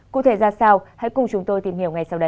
cụ thể ra sao hãy cùng chúng tôi tìm hiểu